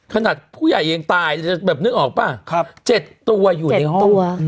ขนาดผู้ใหญ่ยังตายจะแบบนึกออกป่ะ๗ตัวอยู่ในห้อง